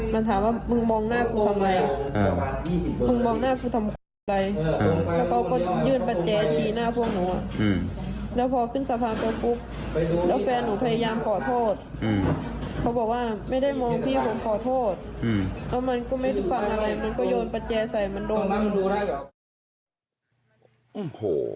มาเวลาที่ดูได้หรือ